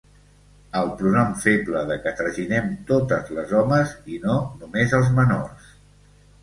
El pronom feble de que traginem totes les homes, i no només els menors.